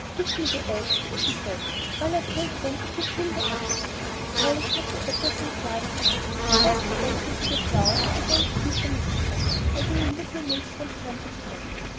"Give me the eggs," she said; "while I break them, you peel the apples." While I cut the apples into slices, she broke the eggs into the flour and began to beat the mixture, adding a little milk from time to time.